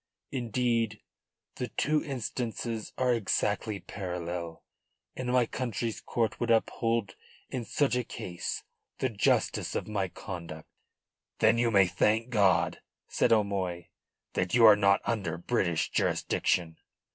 Indeed the two instances are exactly parallel, and my country's courts would uphold in such a case the justice of my conduct." "Then you may thank God," said O'Moy, "that you are not under British jurisdiction."